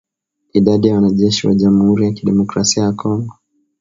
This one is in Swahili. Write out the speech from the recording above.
Idadi ya wanajeshi wa jamhuri ya kidemokrasia ya Kongo